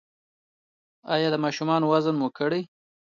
ایا د ماشومانو وزن مو کړی؟